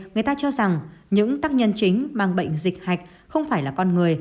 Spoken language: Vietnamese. người ta cho rằng những tác nhân chính mang bệnh dịch hạch không phải là con người